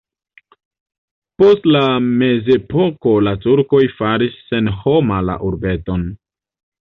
Post la mezepoko la turkoj faris senhoma la urbeton.